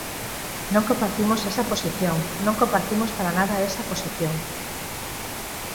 Non compartimos esa posición, non compartimos para nada esa posición.